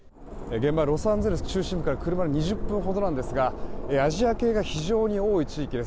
現場はロサンゼルス中心部から車２０分ほどですがアジア系が非常に多い地域です。